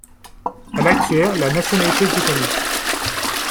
Elle acquiert la nationalité britannique.